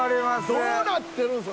どうなってるんですか？